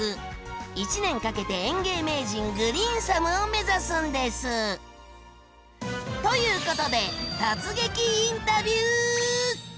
１年かけて園芸名人「グリーンサム」を目指すんです！ということで突撃インタビュー！